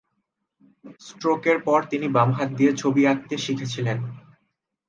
স্ট্রোকের পর তিনি বাম হাত দিয়ে ছবি আঁকতে শিখেছিলেন।